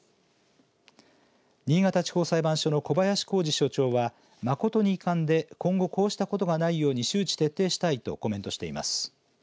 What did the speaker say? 新潟地方裁判所の小林宏司所長は誠に遺憾で今後こうしたことがないように周知徹底したいとコメントしています。